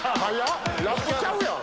ラップちゃうやん！